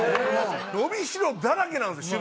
伸びしろだらけなんですよ